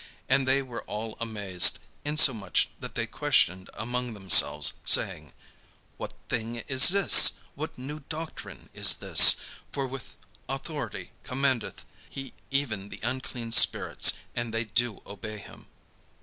And they were all amazed, insomuch that they questioned among themselves, saying: "What thing is this? what new doctrine is this? for with authority commandeth he even the unclean spirits, and they do obey him."